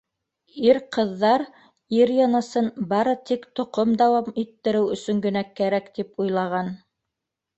Ир-ҡыҙҙар ир йынысын бары тик тоҡом дауам иттереү өсөн генә кәрәк тип уйлаған.